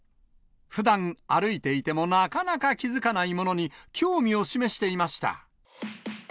ふだん、歩いていてもなかなか気付かないものに興味を示していました。